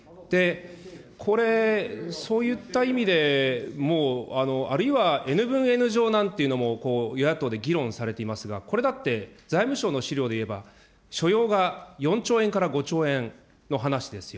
これ、そういった意味でも、あるいはＮ分Ｎ乗なんていうのも、与野党で議論されていますが、これだって財務省の資料でいえば、所要が４兆円から５兆円の話ですよ。